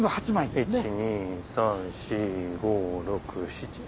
１・２・３・４・５・６・７・８枚。